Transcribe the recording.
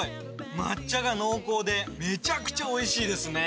抹茶が濃厚でめちゃくちゃおいしいですね！